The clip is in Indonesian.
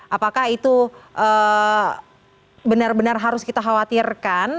apakah itu benar benar harus kita khawatirkan